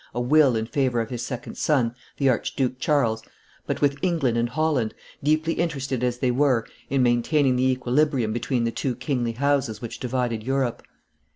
a will in favor of his second son, the Archduke Charles, but with England and Holland, deeply interested as they were in maintaining the equilibrium between the two kingly houses which divided Europe.